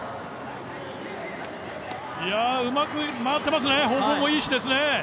うまく回ってますね、方向もいいしですね。